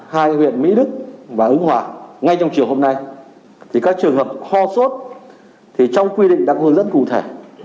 hai huyện mỹ đức và ứng hòa ngay trong chiều hôm nay thì các trường hợp ho suốt thì trong quy định đã có hướng dẫn cụ thể